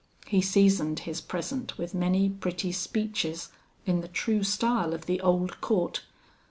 He seasoned his present with many pretty speeches in the true style of the old court.